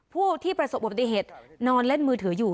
ผู้ที่ประสบอุบัติเหตุนอนเล่นมือถืออยู่